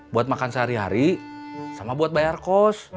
buat makan sehari hari sama buat bayar kos